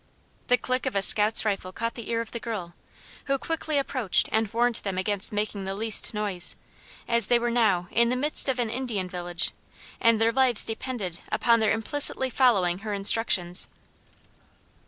The click of the scout's rifle caught the ear of the girl, who quickly approached and warned them against making the least noise, as they were now in the midst of an Indian village, and their lives depended upon their implicitly following her instructions.